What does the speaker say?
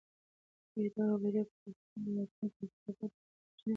آیا دغه بریا به د پښتنو د راتلونکي نسلونو لپاره د الهام سرچینه وي؟